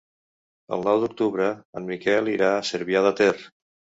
El nou d'octubre en Miquel irà a Cervià de Ter.